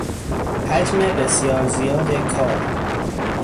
حجم بسیار زیاد کار